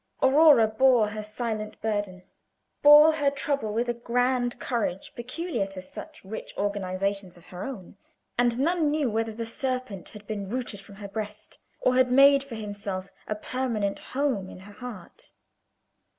Aurora bore her silent burden bore her trouble with a grand courage, peculiar to such rich organizations as her own, and none knew whether the serpent had been rooted from her breast, or had made for himself a permanent home in her heart.